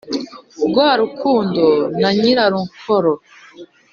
rwa rukundo na nyirarukoro,